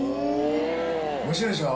面白いでしょ。